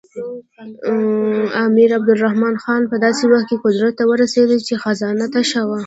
امیر عبدالرحمن خان په داسې وخت کې قدرت ته ورسېد چې خزانه تشه وه.